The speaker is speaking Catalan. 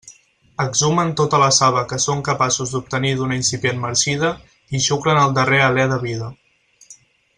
Exhumen tota la saba que són capaços d'obtenir d'una incipient marcida i xuclen el darrer alé de vida.